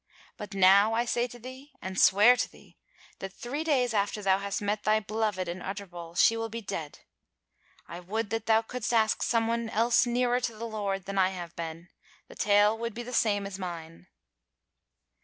But now I say to thee, and swear to thee, that three days after thou hast met thy beloved in Utterbol she will be dead. I would that thou couldst ask someone else nearer to the Lord than I have been. The tale would be the same as mine."